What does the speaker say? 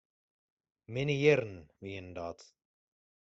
Minne jierren wienen dat.